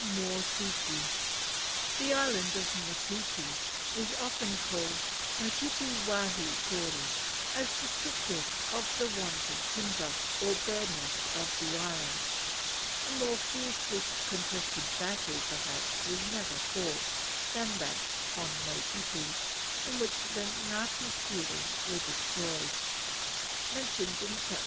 p. 18. Bare Motiti The Island of Motiti is often called "Motiti wahie kore," as descriptive of the want of timber, or bareness of the island. A more fiercely contested battle, perhaps, was never fought than that on Motiti, in which the Ngati Kuri were destroyed. p.